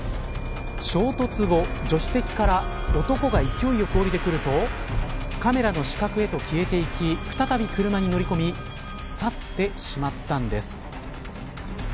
衝突後、助手席から男が勢いよく降りてくるとカメラの死角へと消えていき再び車に乗り込み去ってしまったんです。